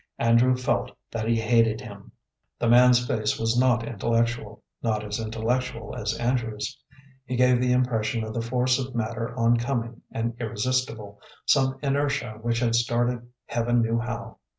Andrew felt that he hated him. The man's face was not intellectual, not as intellectual as Andrew's. He gave the impression of the force of matter oncoming and irresistible, some inertia which had started Heaven knew how.